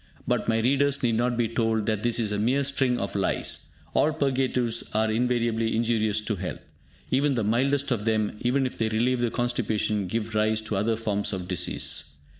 But my readers need not be told that this is a mere string of lies. All purgatives are invariably injurious to health. Even the mildest of them, even if they relieve the constipation, give rise to other forms of disease.